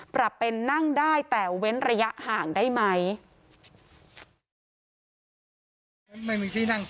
ปรับเป็นนั่งได้แต่เว้นระยะห่างได้ไหม